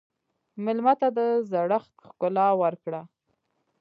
مېلمه ته د زړښت ښکلا ورکړه.